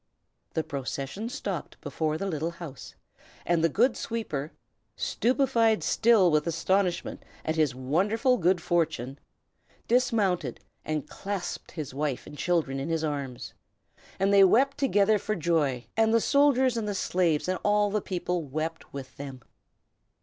The procession stopped before the little house, and the good sweeper, stupefied still with astonishment at his wonderful good fortune, dismounted and clasped his wife and children in his arms. And they wept together for joy, and the soldiers and the slaves and all the people wept with them.